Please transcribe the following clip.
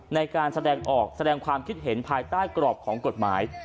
ในการแสดงออกแสดงความคิดเห็นภายใต้กรอบของกฎหมาย